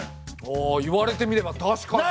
ああ言われてみれば確かに。